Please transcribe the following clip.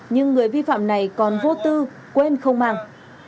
nhưng người vi phạm này còn vô tư quên không mang